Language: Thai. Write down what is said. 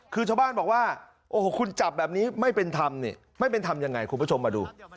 คือชาวบ้านบอกว่าโอ้โหคุณจับแบบนี้ไม่เป็นธรรมนี่ไม่เป็นธรรมยังไงคุณผู้ชมมาดู